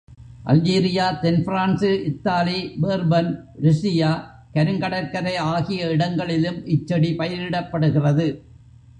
Algeria, தென் France, Italy, Bourbon, Russia, கருங்கடற் கரை, ஆகிய இடங்களிலும் இச் செடி பயிரிடப்படுகிறது.